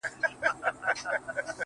تر دې نو بله ښه غزله کتابي چیري ده.